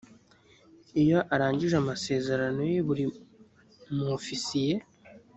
iyo arangije amasezerano ye buri mu ofisiye